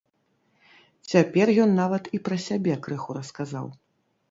Цяпер ён нават і пра сябе крыху расказаў.